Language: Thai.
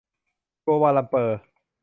กัวลาลัมเปอร์